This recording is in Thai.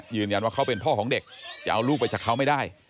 ยืนยันว่าเขาเป็นพ่อของเด็กจะเอาลูกไปจากเขาไม่ได้